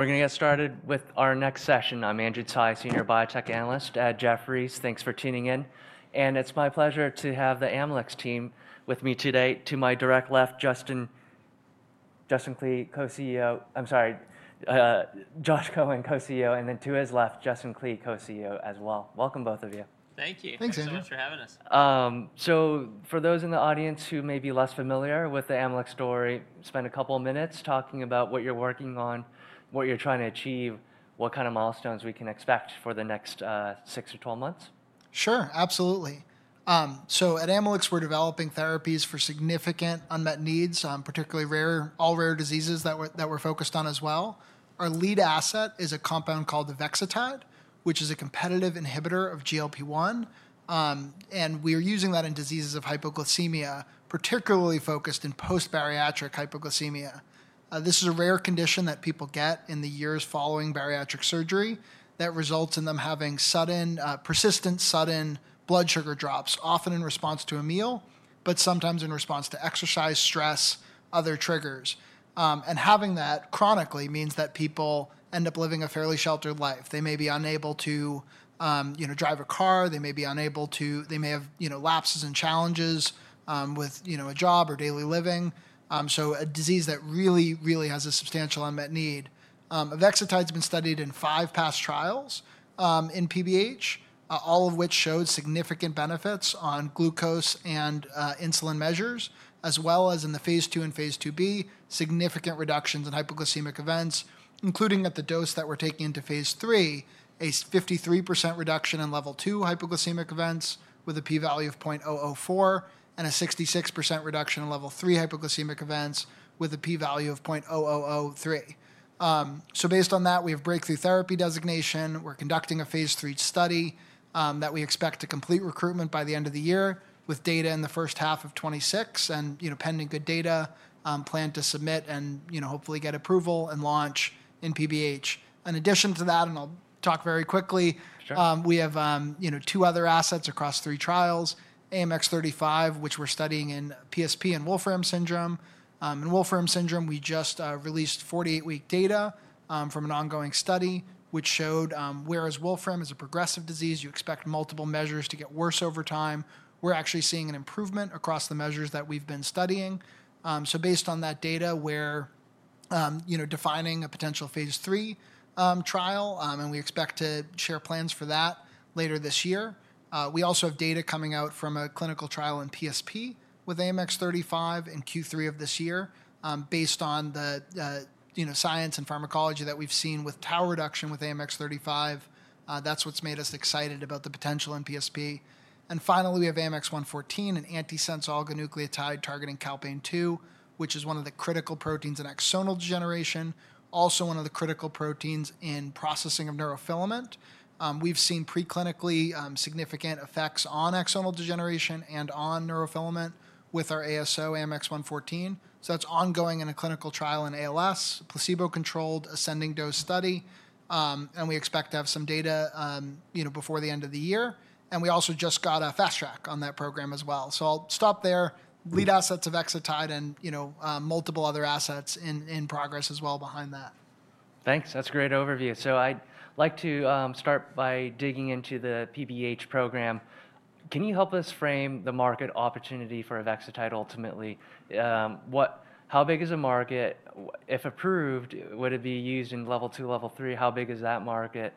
We're going to get started with our next session. I'm Andrew Tsai, Senior Biotech Analyst at Jefferies. Thanks for tuning in. It's my pleasure to have the Amylyx team with me today. To my direct left, Josh Cohen, Co-CEO, and then to his left, Justin Klee, Co-CEO as well. Welcome, both of you. Thank you. Thanks, Andrew. Thanks for having us. For those in the audience who may be less familiar with the Amylyx story, spend a couple of minutes talking about what you're working on, what you're trying to achieve, what kind of milestones we can expect for the next 6 or 12 months. Sure, absolutely. At Amylyx, we're developing therapies for significant unmet needs, particularly rare, all rare diseases that we're focused on as well. Our lead asset is a compound called avexitide, which is a competitive inhibitor of GLP-1. We are using that in diseases of hypoglycemia, particularly focused in post-bariatric hypoglycemia. This is a rare condition that people get in the years following bariatric surgery that results in them having sudden, persistent sudden blood sugar drops, often in response to a meal, but sometimes in response to exercise, stress, other triggers. Having that chronically means that people end up living a fairly sheltered life. They may be unable to drive a car. They may be unable to—they may have lapses and challenges with a job or daily living. A disease that really, really has a substantial unmet need. Avexitide has been studied in five past trials in PBH, all of which showed significant benefits on glucose and insulin measures, as well as in the phase II and phase II-B, significant reductions in hypoglycemic events, including at the dose that we're taking into phase III, a 53% reduction in level two hypoglycemic events with a p-value of 0.004, and a 66% reduction in level three hypoglycemic events with a p-value of 0.0003. Based on that, we have breakthrough therapy designation. We're conducting a phase III study that we expect to complete recruitment by the end of the year with data in the first half of 2026, and pending good data, plan to submit and hopefully get approval and launch in PBH. In addition to that, and I'll talk very quickly, we have two other assets across three trials, AMX0035, which we're studying in PSP and Wolfram syndrome. In Wolfram syndrome, we just released 48-week data from an ongoing study, which showed whereas Wolfram is a progressive disease, you expect multiple measures to get worse over time. We're actually seeing an improvement across the measures that we've been studying. Based on that data, we're defining a potential phase III trial, and we expect to share plans for that later this year. We also have data coming out from a clinical trial in PSP with AMX0035 in Q3 of this year, based on the science and pharmacology that we've seen with tau reduction with AMX0035. That is what's made us excited about the potential in PSP. Finally, we have AMX0114, an antisense oligonucleotide targeting calpain-2, which is one of the critical proteins in axonal degeneration, also one of the critical proteins in processing of neurofilament. We've seen preclinically significant effects on axonal degeneration and on neurofilament with our ASO AMX0114. That is ongoing in a clinical trial in ALS, placebo-controlled ascending dose study, and we expect to have some data before the end of the year. We also just got a fast track on that program as well. I'll stop there. Lead assets of avexitide and multiple other assets in progress as well behind that. Thanks. That's a great overview. I'd like to start by digging into the PBH program. Can you help us frame the market opportunity for avexitide ultimately? How big is the market? If approved, would it be used in level two, level three? How big is that market?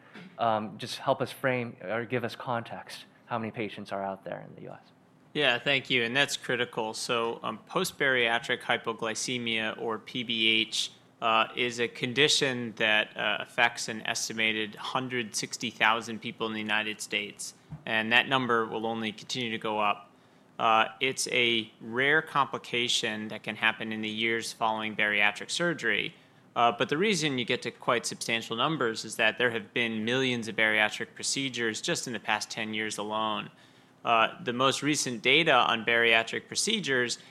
Just help us frame or give us context how many patients are out there in the U.S. Yeah, thank you. That's critical. Post-bariatric hypoglycemia, or PBH, is a condition that affects an estimated 160,000 people in the United States. That number will only continue to go up. It's a rare complication that can happen in the years following bariatric surgery. The reason you get to quite substantial numbers is that there have been millions of bariatric procedures just in the past 10 years alone. The most recent data on bariatric procedures is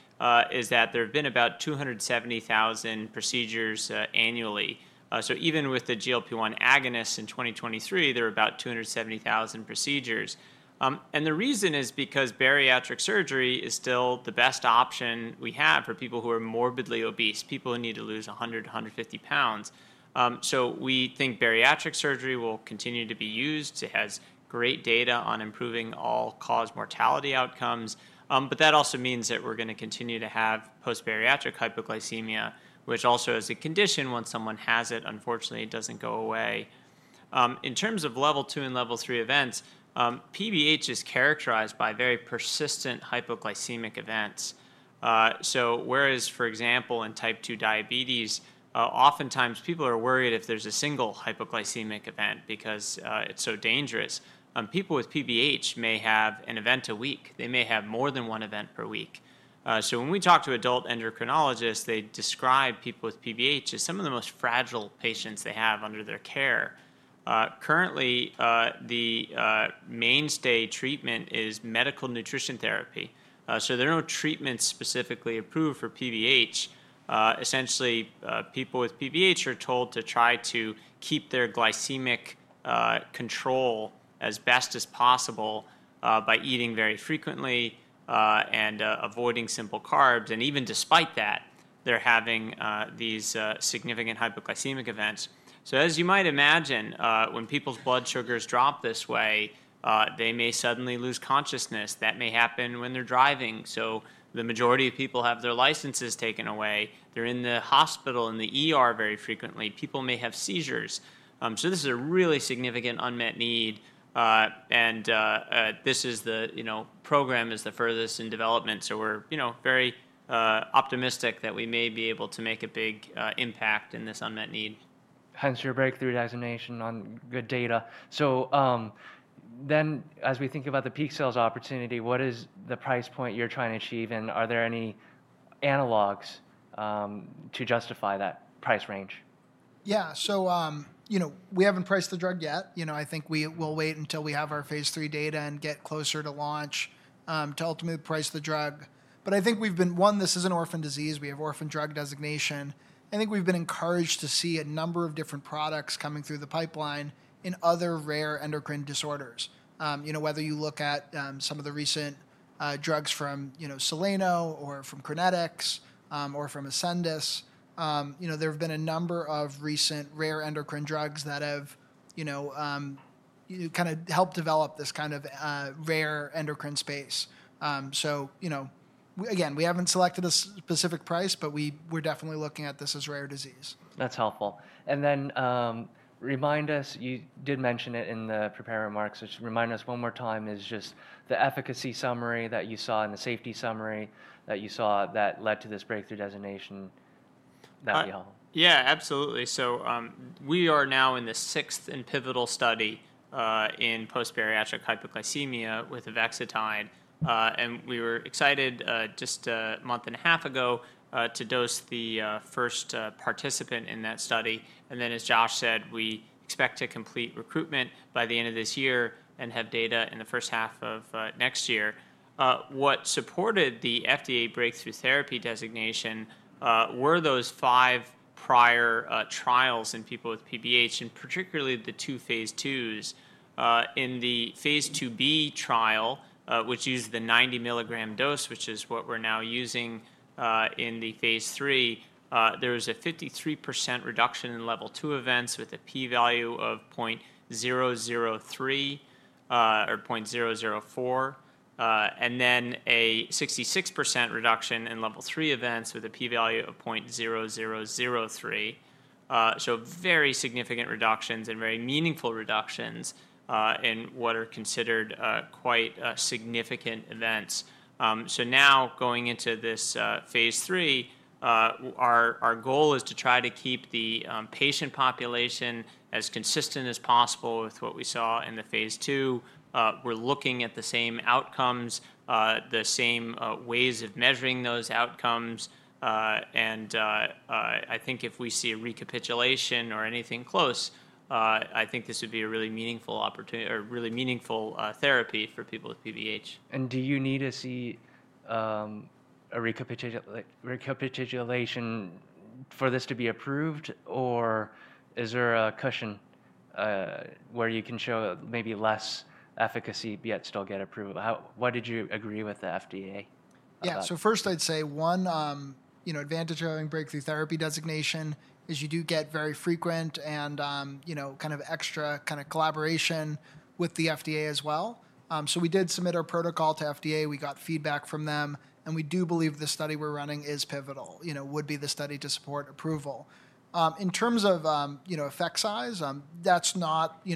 that there have been about 270,000 procedures annually. Even with the GLP-1 agonists in 2023, there were about 270,000 procedures. The reason is because bariatric surgery is still the best option we have for people who are morbidly obese, people who need to lose 100, 150 lbs. We think bariatric surgery will continue to be used. It has great data on improving all-cause mortality outcomes. That also means that we're going to continue to have post-bariatric hypoglycemia, which also is a condition once someone has it, unfortunately, it doesn't go away. In terms of level two and level three events, PBH is characterized by very persistent hypoglycemic events. For example, in type 2 diabetes, oftentimes people are worried if there's a single hypoglycemic event because it's so dangerous. People with PBH may have an event a week. They may have more than one event per week. When we talk to adult endocrinologists, they describe people with PBH as some of the most fragile patients they have under their care. Currently, the mainstay treatment is medical nutrition therapy. There are no treatments specifically approved for PBH. Essentially, people with PBH are told to try to keep their glycemic control as best as possible by eating very frequently and avoiding simple carbs. Even despite that, they're having these significant hypoglycemic events. As you might imagine, when people's blood sugars drop this way, they may suddenly lose consciousness. That may happen when they're driving. The majority of people have their licenses taken away. They're in the hospital very frequently. People may have seizures. This is a really significant unmet need. This program is the furthest in development. We're very optimistic that we may be able to make a big impact in this unmet need. Hence your breakthrough designation on good data. As we think about the peak sales opportunity, what is the price point you're trying to achieve? Are there any analogs to justify that price range? Yeah. So we haven't priced the drug yet. I think we will wait until we have our phase III data and get closer to launch to ultimately price the drug. I think we've been—one, this is an orphan disease. We have orphan drug designation. I think we've been encouraged to see a number of different products coming through the pipeline in other rare endocrine disorders. Whether you look at some of the recent drugs from Zealand Pharma or from Kiniksa Pharmaceuticals or from Ascendis Pharma, there have been a number of recent rare endocrine drugs that have kind of helped develop this kind of rare endocrine space. Again, we haven't selected a specific price, but we're definitely looking at this as a rare disease. That's helpful. Remind us—you did mention it in the prepared remarks—just remind us one more time, just the efficacy summary that you saw and the safety summary that you saw that led to this breakthrough designation. That would be helpful. Yeah, absolutely. We are now in the sixth and pivotal study in post-bariatric hypoglycemia with avexitide. We were excited just a month and a half ago to dose the first participant in that study. As Josh said, we expect to complete recruitment by the end of this year and have data in the first half of next year. What supported the FDA breakthrough therapy designation were those five prior trials in people with PBH, and particularly the two phase IIs. In the phase II-B trial, which used the 90 mg dose, which is what we're now using in the phase III, there was a 53% reduction in level two events with a p-value of 0.003 or 0.004. There was a 66% reduction in level three events with a p-value of 0.0003. Very significant reductions and very meaningful reductions in what are considered quite significant events. Now going into this phase III, our goal is to try to keep the patient population as consistent as possible with what we saw in the phase II. We are looking at the same outcomes, the same ways of measuring those outcomes. I think if we see a recapitulation or anything close, I think this would be a really meaningful therapy for people with PBH. Do you need to see a recapitulation for this to be approved, or is there a cushion where you can show maybe less efficacy but yet still get approval? What did you agree with the FDA? Yeah. First, I'd say one advantage of having breakthrough therapy designation is you do get very frequent and kind of extra kind of collaboration with the FDA as well. We did submit our protocol to FDA. We got feedback from them. We do believe the study we're running is pivotal, would be the study to support approval. In terms of effect size, that's not—I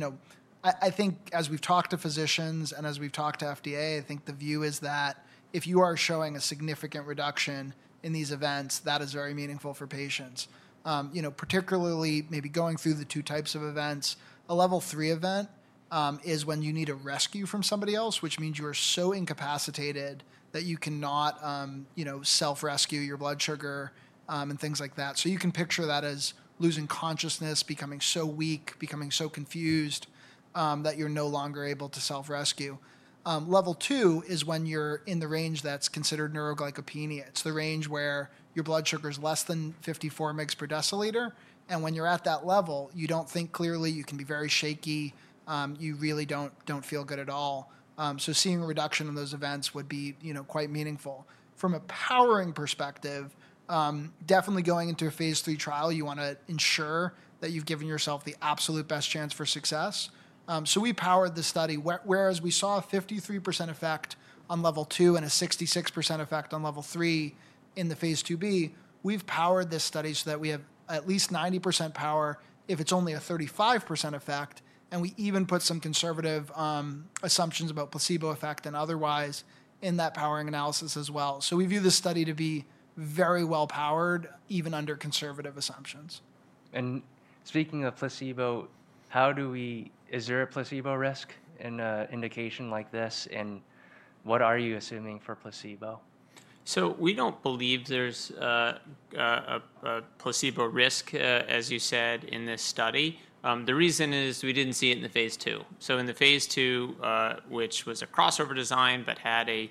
think as we've talked to physicians and as we've talked to FDA, I think the view is that if you are showing a significant reduction in these events, that is very meaningful for patients, particularly maybe going through the two types of events. A level three event is when you need a rescue from somebody else, which means you are so incapacitated that you cannot self-rescue your blood sugar and things like that. You can picture that as losing consciousness, becoming so weak, becoming so confused that you're no longer able to self-rescue. Level two is when you're in the range that's considered neuroglycopenia. It's the range where your blood sugar is less than 54 mg/dL. When you're at that level, you don't think clearly. You can be very shaky. You really don't feel good at all. Seeing a reduction in those events would be quite meaningful. From a powering perspective, definitely going into a phase III trial, you want to ensure that you've given yourself the absolute best chance for success. We powered the study. Whereas we saw a 53% effect on level two and a 66% effect on level three in the phase II-B, we've powered this study so that we have at least 90% power if it's only a 35% effect. We even put some conservative assumptions about placebo effect and otherwise in that powering analysis as well. We view this study to be very well powered even under conservative assumptions. Speaking of placebo, how do we—is there a placebo risk in an indication like this? What are you assuming for placebo? We do not believe there is a placebo risk, as you said, in this study. The reason is we did not see it in the phase II. In the phase II, which was a crossover design but had a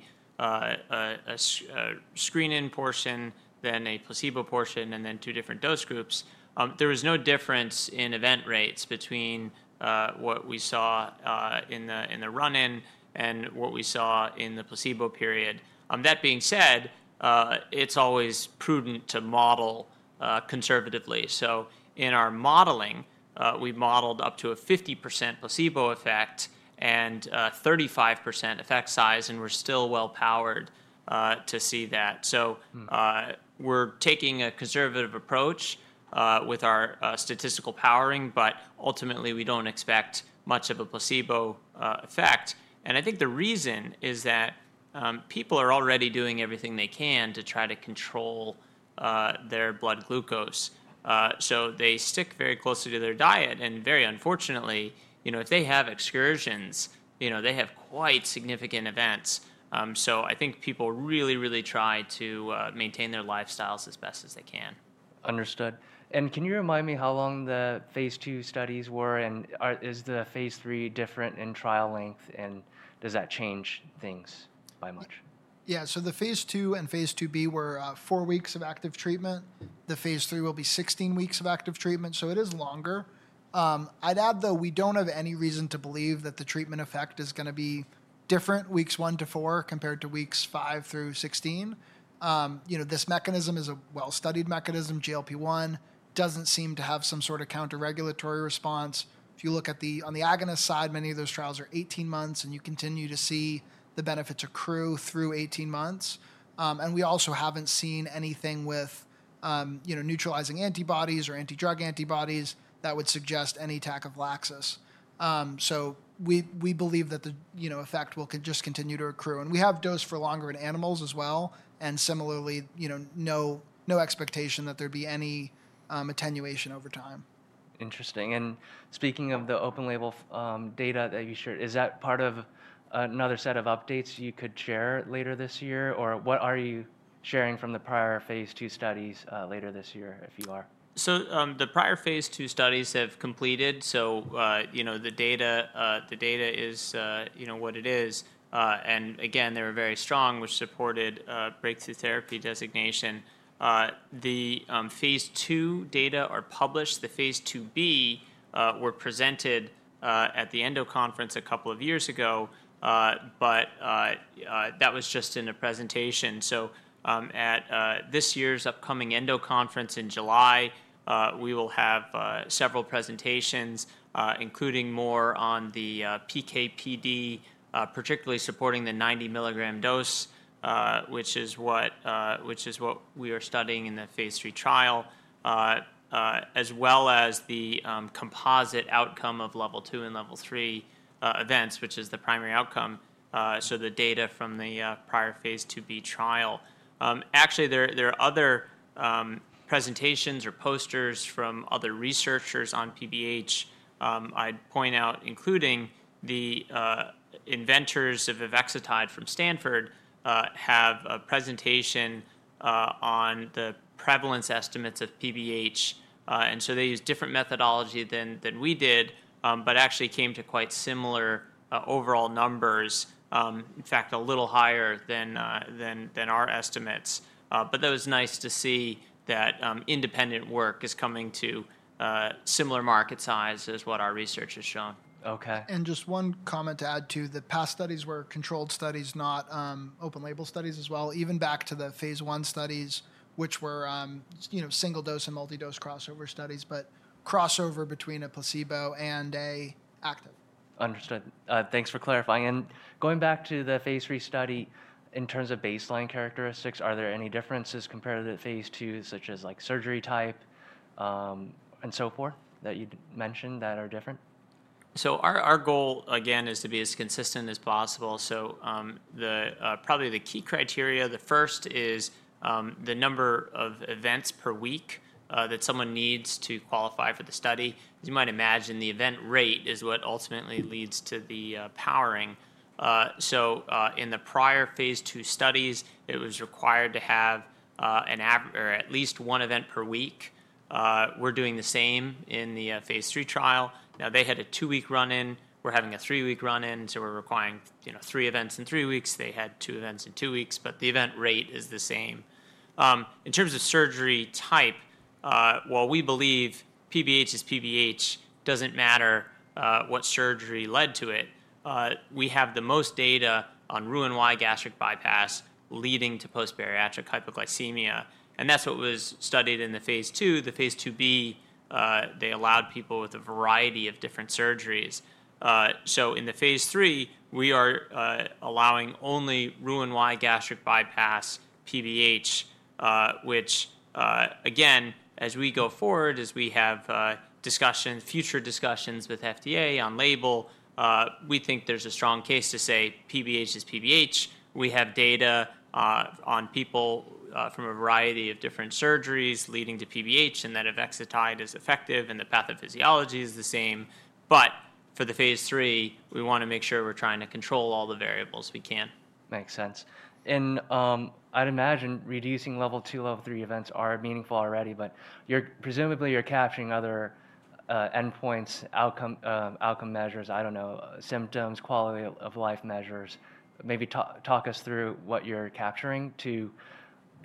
screen-in portion, then a placebo portion, and then two different dose groups, there was no difference in event rates between what we saw in the run-in and what we saw in the placebo period. That being said, it is always prudent to model conservatively. In our modeling, we modeled up to a 50% placebo effect and 35% effect size, and we are still well powered to see that. We are taking a conservative approach with our statistical powering, but ultimately, we do not expect much of a placebo effect. I think the reason is that people are already doing everything they can to try to control their blood glucose. They stick very closely to their diet. And very unfortunately, if they have excursions, they have quite significant events. I think people really, really try to maintain their lifestyles as best as they can. Understood. Can you remind me how long the phase II studies were? Is the phase III different in trial length? Does that change things by much? Yeah. The phase II and phase II-B were four weeks of active treatment. The phase III will be 16 weeks of active treatment. It is longer. I'd add, though, we do not have any reason to believe that the treatment effect is going to be different weeks one to four compared to weeks five through 16. This mechanism is a well-studied mechanism. GLP-1 does not seem to have some sort of counter-regulatory response. If you look at the agonist side, many of those trials are 18 months, and you continue to see the benefits accrue through 18 months. We also have not seen anything with neutralizing antibodies or anti-drug antibodies that would suggest any tac of [laxus]. We believe that the effect will just continue to accrue. We have dosed for longer in animals as well. Similarly, no expectation that there would be any attenuation over time. Interesting. Speaking of the open label data that you shared, is that part of another set of updates you could share later this year? What are you sharing from the prior phase II studies later this year if you are? The prior phase II studies have completed. The data is what it is. Again, they were very strong, which supported breakthrough therapy designation. The phase II data are published. The phase II-B were presented at the ENDO conference a couple of years ago. That was just in a presentation. At this year's upcoming ENDO conference in July, we will have several presentations, including more on the PKPD, particularly supporting the 90 milligram dose, which is what we are studying in the phase III trial, as well as the composite outcome of level two and level three events, which is the primary outcome. The data from the prior phase II-B trial. Actually, there are other presentations or posters from other researchers on PBH. I'd point out, including the inventors of avexitide from Stanford, have a presentation on the prevalence estimates of PBH. They use different methodology than we did, but actually came to quite similar overall numbers, in fact, a little higher than our estimates. That was nice to see that independent work is coming to similar market size, is what our research has shown. Okay. Just one comment to add to the past studies. The past studies were controlled studies, not open label studies as well, even back to the phase I studies, which were single dose and multi-dose crossover studies, but crossover between a placebo and an active. Understood. Thanks for clarifying. Going back to the phase III study, in terms of baseline characteristics, are there any differences compared to the phase II, such as surgery type and so forth that you mentioned that are different? Our goal, again, is to be as consistent as possible. Probably the key criteria, the first is the number of events per week that someone needs to qualify for the study. As you might imagine, the event rate is what ultimately leads to the powering. In the prior phase II studies, it was required to have at least one event per week. We're doing the same in the phase III trial. They had a two-week run-in. We're having a three-week run-in. We're requiring three events in three weeks. They had two events in two weeks. The event rate is the same. In terms of surgery type, while we believe PBH is PBH, it doesn't matter what surgery led to it. We have the most data on Roux-en-Y gastric bypass leading to post-bariatric hypoglycemia. That's what was studied in the phase II. The phase II-B, they allowed people with a variety of different surgeries. In the phase III, we are allowing only Roux-en-Y gastric bypass PBH, which, again, as we go forward, as we have discussions, future discussions with FDA on label, we think there's a strong case to say PBH is PBH. We have data on people from a variety of different surgeries leading to PBH, and that avexitide is effective, and the pathophysiology is the same. For the phase III, we want to make sure we're trying to control all the variables we can. Makes sense. I'd imagine reducing level two, level three events are meaningful already. Presumably, you're capturing other endpoints, outcome measures, I don't know, symptoms, quality of life measures. Maybe talk us through what you're capturing to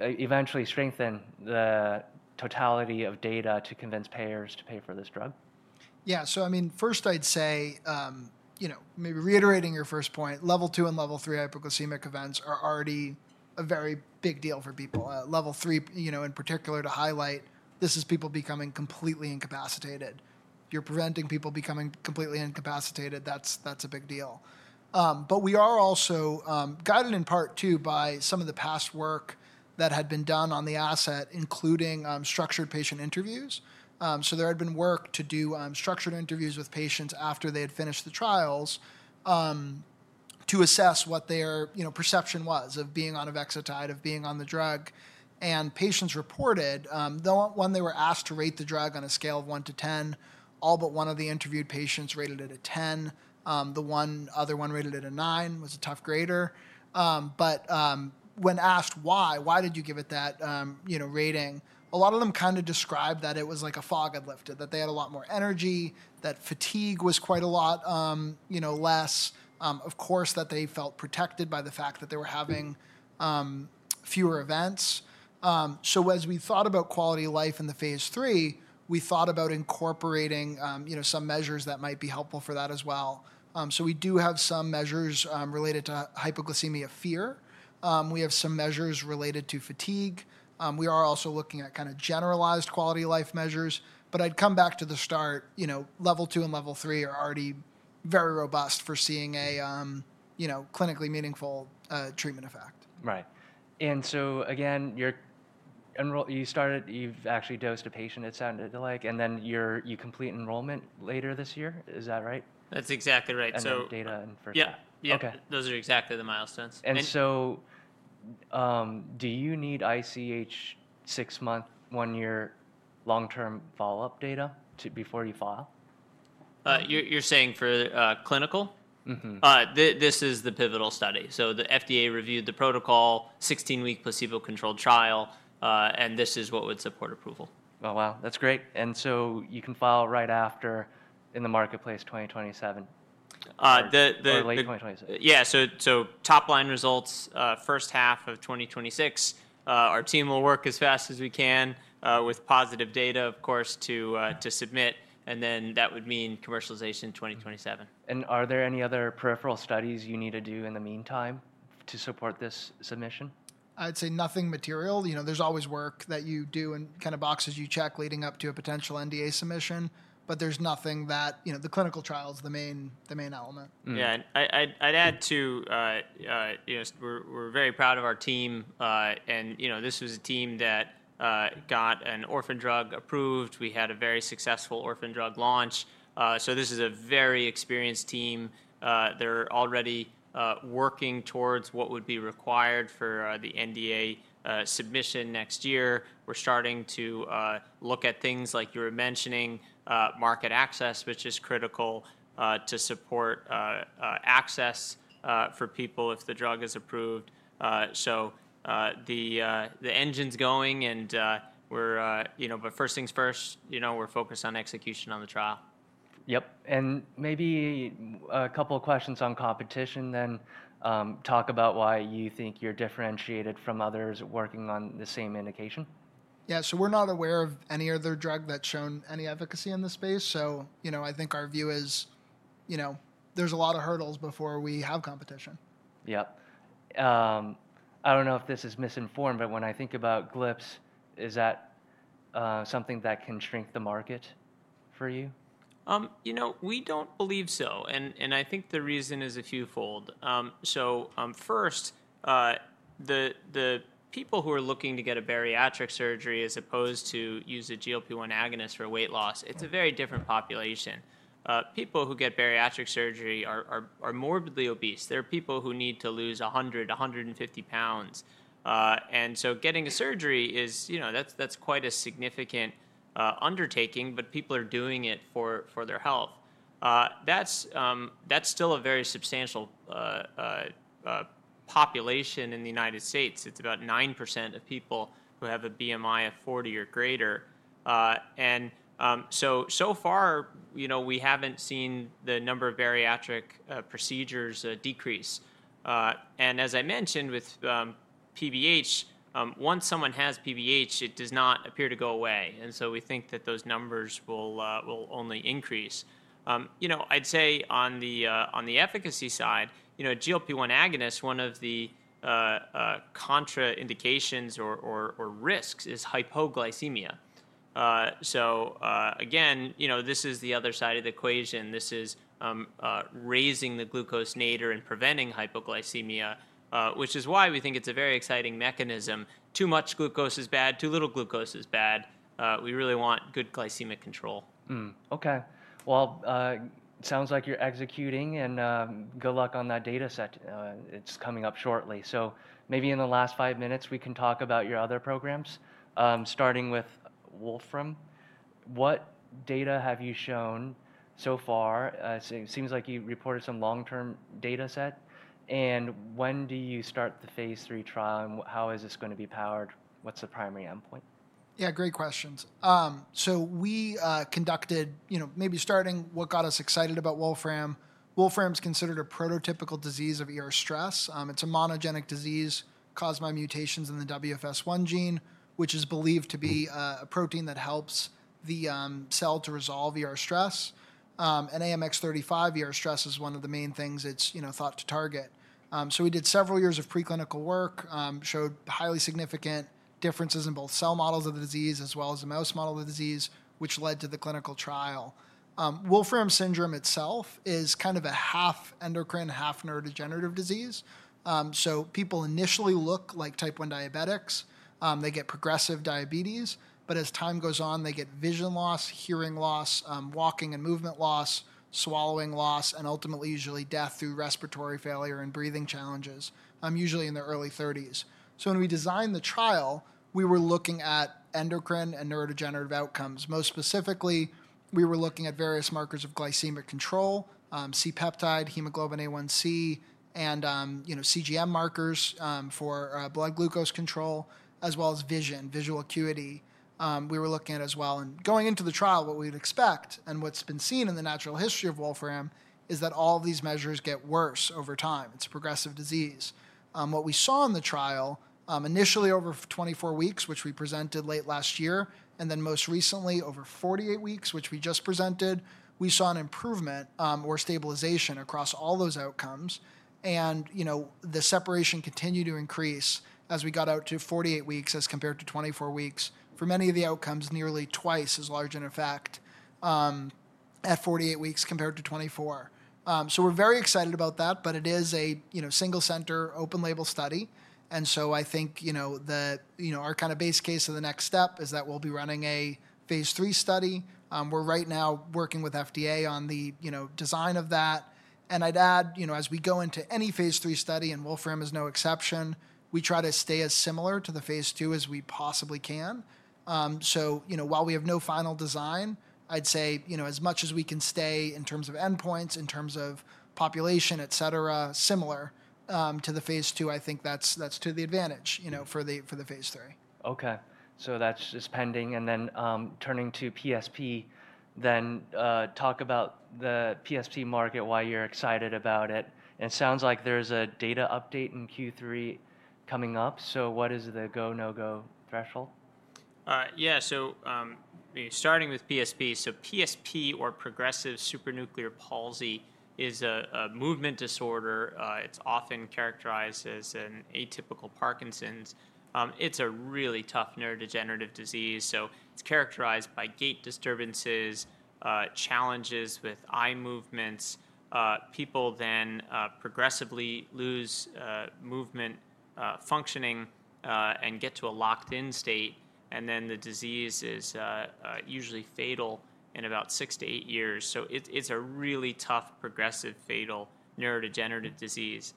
eventually strengthen the totality of data to convince payers to pay for this drug. Yeah. So I mean, first, I'd say maybe reiterating your first point, level two and level three hypoglycemic events are already a very big deal for people. Level three, in particular, to highlight, this is people becoming completely incapacitated. If you're preventing people becoming completely incapacitated, that's a big deal. We are also guided in part, too, by some of the past work that had been done on the asset, including structured patient interviews. There had been work to do structured interviews with patients after they had finished the trials to assess what their perception was of being on avexitide, of being on the drug. Patients reported, when they were asked to rate the drug on a scale of 1-10, all but one of the interviewed patients rated it a 10. The other one rated it a nine, was a tough grader. When asked why, why did you give it that rating, a lot of them kind of described that it was like a fog had lifted, that they had a lot more energy, that fatigue was quite a lot less, of course, that they felt protected by the fact that they were having fewer events. As we thought about quality of life in the phase III, we thought about incorporating some measures that might be helpful for that as well. We do have some measures related to hypoglycemia fear. We have some measures related to fatigue. We are also looking at kind of generalized quality of life measures. I'd come back to the start. Level two and level three are already very robust for seeing a clinically meaningful treatment effect. Right. And so again, you started, you've actually dosed a patient, it sounded like, and then you complete enrollment later this year. Is that right? That's exactly right. Data and for sure. Yeah. Yeah. Those are exactly the milestones. Do you need ICH six-month, one-year long-term follow-up data before you file? You're saying for clinical? Mm-hmm. This is the pivotal study. The FDA reviewed the protocol, 16-week placebo-controlled trial. This is what would support approval. Oh, wow. That's great. You can file right after in the marketplace 2027. The. Or late 2027. Yeah. Top-line results, first half of 2026. Our team will work as fast as we can with positive data, of course, to submit. That would mean commercialization in 2027. Are there any other peripheral studies you need to do in the meantime to support this submission? I'd say nothing material. There's always work that you do and kind of boxes you check leading up to a potential NDA submission. There's nothing that the clinical trial is the main element. Yeah. I'd add to we're very proud of our team. And this was a team that got an orphan drug approved. We had a very successful orphan drug launch. So this is a very experienced team. They're already working towards what would be required for the NDA submission next year. We're starting to look at things like you were mentioning, market access, which is critical to support access for people if the drug is approved. The engine's going. But first things first, we're focused on execution on the trial. Yep. Maybe a couple of questions on competition, then talk about why you think you're differentiated from others working on the same indication. Yeah. So we're not aware of any other drug that's shown any efficacy in this space. I think our view is there's a lot of hurdles before we have competition. Yep. I don't know if this is misinformed, but when I think about GLP-1s, is that something that can shrink the market for you? We don't believe so. I think the reason is a few-fold. First, the people who are looking to get a bariatric surgery as opposed to use a GLP-1 agonist for weight loss, it's a very different population. People who get bariatric surgery are morbidly obese. There are people who need to lose 100, 150 lbs. Getting a surgery, that's quite a significant undertaking. People are doing it for their health. That's still a very substantial population in the United States. It's about 9% of people who have a BMI of 40 or greater. So far, we haven't seen the number of bariatric procedures decrease. As I mentioned, with PBH, once someone has PBH, it does not appear to go away. We think that those numbers will only increase. I'd say on the efficacy side, GLP-1 agonist, one of the contraindications or risks is hypoglycemia. This is the other side of the equation. This is raising the glucose nadir and preventing hypoglycemia, which is why we think it's a very exciting mechanism. Too much glucose is bad. Too little glucose is bad. We really want good glycemic control. Okay. It sounds like you're executing. Good luck on that data set. It's coming up shortly. Maybe in the last five minutes, we can talk about your other programs, starting with Wolfram. What data have you shown so far? It seems like you reported some long-term data set. When do you start the phase III trial? How is this going to be powered? What's the primary endpoint? Yeah. Great questions. We conducted, maybe starting what got us excited about Wolfram. Wolfram is considered a prototypical disease of stress. It is a monogenic disease caused by mutations in the WFS1 gene, which is believed to be a protein that helps the cell to resolve stress. And AMX0035, stress is one of the main things it is thought to target. We did several years of preclinical work, showed highly significant differences in both cell models of the disease as well as the mouse model of the disease, which led to the clinical trial. Wolfram syndrome itself is kind of a half endocrine, half neurodegenerative disease. People initially look like type 1 diabetics. They get progressive diabetes. As time goes on, they get vision loss, hearing loss, walking and movement loss, swallowing loss, and ultimately, usually death through respiratory failure and breathing challenges, usually in their early 30s. When we designed the trial, we were looking at endocrine and neurodegenerative outcomes. Most specifically, we were looking at various markers of glycemic control, C-peptide, hemoglobin A1c, and CGM markers for blood glucose control, as well as vision, visual acuity. We were looking at that as well. Going into the trial, what we would expect and what has been seen in the natural history of Wolfram is that all these measures get worse over time. It is a progressive disease. What we saw in the trial, initially over 24 weeks, which we presented late last year, and then most recently over 48 weeks, which we just presented, we saw an improvement or stabilization across all those outcomes. The separation continued to increase as we got out to 48 weeks as compared to 24 weeks. For many of the outcomes, nearly twice as large in effect at 48 weeks compared to 24. We are very excited about that. It is a single-center open label study. I think our kind of base case of the next step is that we will be running a phase III study. We are right now working with FDA on the design of that. I would add, as we go into any phase III study, and Wolfram is no exception, we try to stay as similar to the phase II as we possibly can. While we have no final design, I would say as much as we can stay in terms of endpoints, in terms of population, et cetera, similar to the phase II, I think that is to the advantage for the phase III. Okay. So that's just pending. Turning to PSP, then talk about the PSP market, why you're excited about it. It sounds like there's a data update in Q3 coming up. What is the go, no-go threshold? Yeah. So starting with PSP, so PSP, or progressive supranuclear palsy, is a movement disorder. It's often characterized as an atypical Parkinson's. It's a really tough neurodegenerative disease. It's characterized by gait disturbances, challenges with eye movements. People then progressively lose movement functioning and get to a locked-in state. The disease is usually fatal in about six to eight years. It's a really tough, progressive, fatal neurodegenerative disease.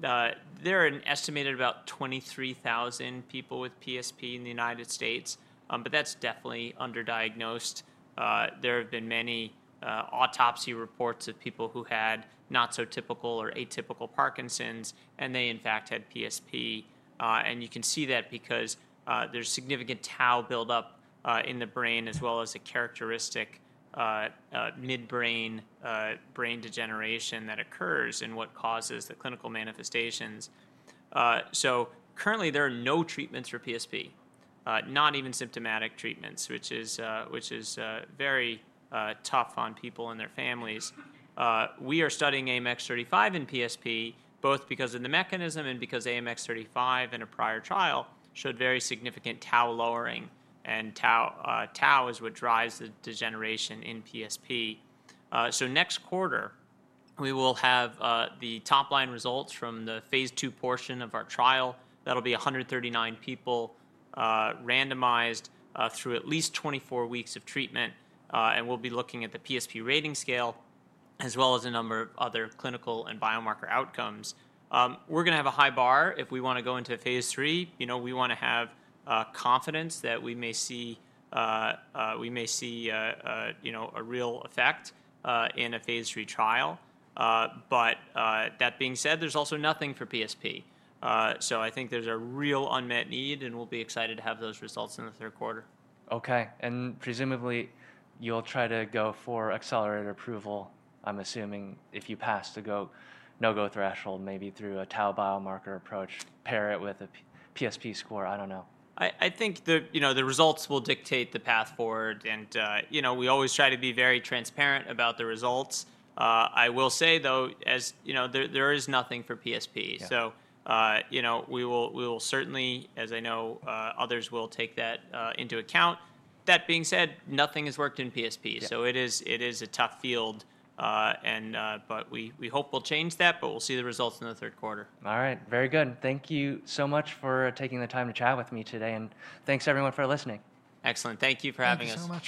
There are an estimated about 23,000 people with PSP in the United States. That's definitely underdiagnosed. There have been many autopsy reports of people who had not-so-typical or atypical Parkinson's, and they, in fact, had PSP. You can see that because there's significant tau buildup in the brain, as well as a characteristic mid-brain degeneration that occurs and what causes the clinical manifestations. Currently, there are no treatments for PSP, not even symptomatic treatments, which is very tough on people and their families. We are studying AMX0035 in PSP, both because of the mechanism and because AMX0035 in a prior trial showed very significant tau lowering. Tau is what drives the degeneration in PSP. Next quarter, we will have the top-line results from the phase II portion of our trial. That will be 139 people randomized through at least 24 weeks of treatment. We will be looking at the PSP rating scale, as well as a number of other clinical and biomarker outcomes. We are going to have a high bar. If we want to go into phase III, we want to have confidence that we may see a real effect in a phase III trial. That being said, there is also nothing for PSP. I think there's a real unmet need. We'll be excited to have those results in the third quarter. Okay. Presumably, you'll try to go for accelerated approval, I'm assuming, if you pass the no-go threshold, maybe through a tau biomarker approach, pair it with a PSP score. I don't know. I think the results will dictate the path forward. We always try to be very transparent about the results. I will say, though, there is nothing for PSP. We will certainly, as I know others will, take that into account. That being said, nothing has worked in PSP. It is a tough field. We hope we'll change that. We will see the results in the third quarter. All right. Very good. Thank you so much for taking the time to chat with me today. Thank you, everyone, for listening. Excellent. Thank you for having us. Thank you so much.